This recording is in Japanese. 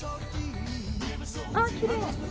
あっきれい。